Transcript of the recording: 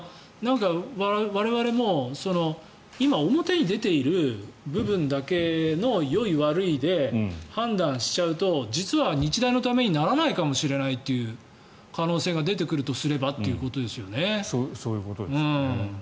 我々も今、表に出ている部分だけのよい悪いで判断しちゃうと実は日大のためにならないかもしれないという可能性が出てくるとすればということですよね。